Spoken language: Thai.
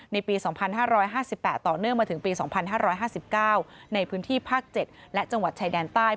ปี๒๕๕๘ต่อเนื่องมาถึงปี๒๕๕๙ในพื้นที่ภาค๗และจังหวัดชายแดนใต้